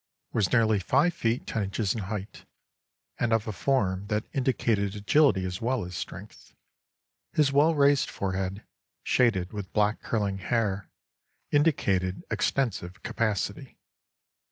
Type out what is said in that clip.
was nearly five feet ten inches in height, and of a form that indicated agility as well as strength. His well raised forehead, shaded with black curling hair, indicated extensive capacity.